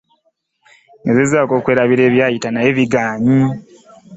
Ngezezaako okwerabira ebyayita naye biganye.